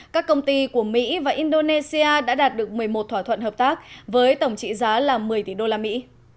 các công ty của mỹ và indonesia đã đạt được một mươi một thỏa thuận hợp tác với tổng trị giá là một mươi tỷ đô la mỹ